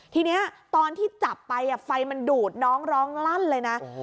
ทีนี้ตอนที่จับไปไฟมันดูดน้องร้องลั่นเลยนะ